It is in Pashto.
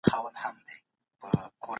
د نفوسو اړتياوې به په چټکۍ سره بدليږي.